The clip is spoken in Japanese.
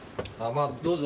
まぁどうぞ。